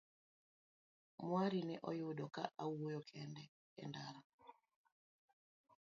Mwari ne oyudo ka owuoyo kende e ndara.